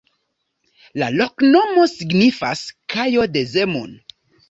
La loknomo signifas: kajo de Zemun.